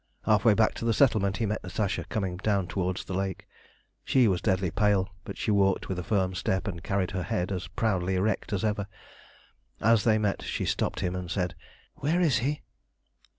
Half way back to the settlement he met Natasha coming down towards the lake. She was deadly pale, but she walked with a firm step, and carried her head as proudly erect as ever. As they met she stopped him and said "Where is he?"